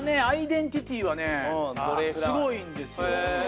アイデンティティはねすごいんですよ。